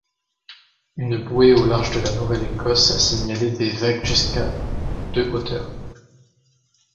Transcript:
Une bouée au large de la Nouvelle-Écosse a signalé des vagues jusqu'à de hauteur.